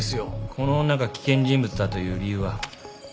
この女が危険人物だという理由は？